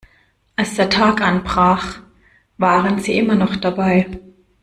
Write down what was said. Als der Tag anbrach, waren sie immer noch dabei.